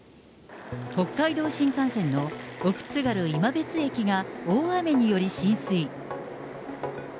北海道新幹線の奥津軽いまべつ駅が大雨により浸水。